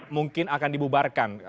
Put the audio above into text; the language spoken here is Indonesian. mungkin akan dibubarkan